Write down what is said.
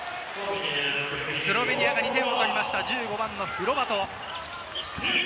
スロベニアが２点を取りました、１５番のフロバト。